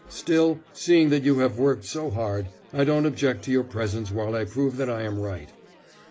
Still, seeing that you have worked so hard, I don't object to your presence while I prove that I am right.